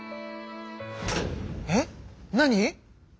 えっ何？